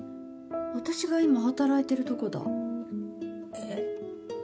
私が今働いてるとこだ。